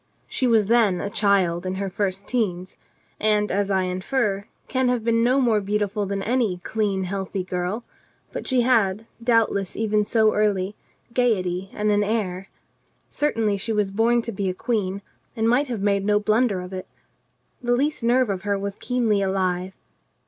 She was then a child in her first teens, and, as I infer, can have been no more beautiful than any clean, healthy girl, but she had, doubtless even so early, gaiety and an air. Certainly she was born to be a queen and might have made no blunder of it. The least nerve of her was keenly alive.